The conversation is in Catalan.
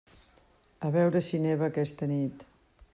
A veure si neva aquesta nit.